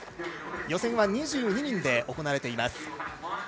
予選は２２人で行われています。